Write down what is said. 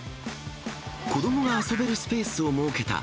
子どもが遊べるスペースを設けた、